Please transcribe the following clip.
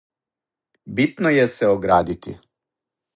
Битно је се оградити.